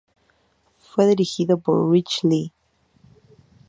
Fue Dirigido por Rich Lee.